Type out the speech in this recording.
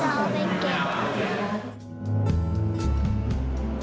จะเอาไปเก็บ